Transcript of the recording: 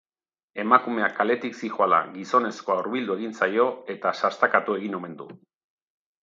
Emakumea kaletik zihoala, gizonezkoa hurbildu egin zaio eta sastakatu egin omen du.